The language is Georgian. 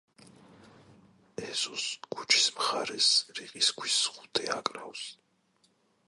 ეზოს, ქუჩის მხარეს, რიყის ქვის ზღუდე აკრავს.